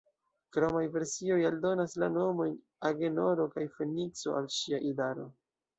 Kromaj versioj aldonas la nomojn Agenoro kaj Fenikso al ŝia idaro.